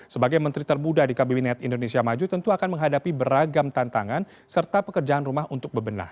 sebagai menteri terbuda di kabinet indonesia maju tentu akan menghadapi beragam tantangan serta pekerjaan rumah untuk bebenah